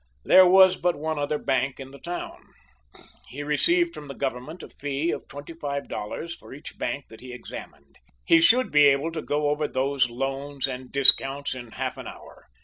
There was but one other bank in the town. He received from the Government a fee of twenty five dollars for each bank that he examined. He should be able to go over those loans and discounts in half an hour.